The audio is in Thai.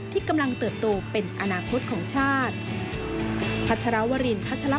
ที่กำลังเติบโตเป็นอนาคตของชาติ